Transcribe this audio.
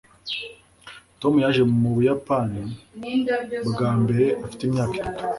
tom yaje mu buyapani bwa mbere afite imyaka itatu